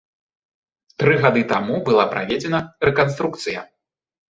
Тры гады таму была праведзена рэканструкцыя.